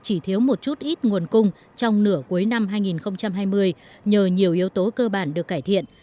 chỉ thiếu một chút ít nguồn cung trong nửa cuối năm hai nghìn hai mươi nhờ nhiều yếu tố cơ bản được cải thiện